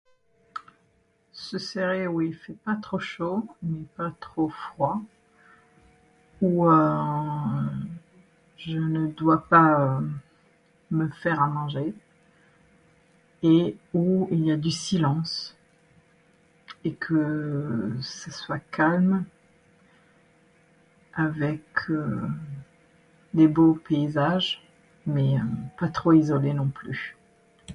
Ce serait où il fait pas trop chaud ou pas trop froid. Où je ne dois pas me faire à manger. Et où il y a du silence. Et que ce soit calme, avec de beaux paysages mais pas trop isolé non plus.